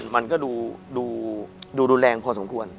มันก็ดูรุนแรงพอสมควร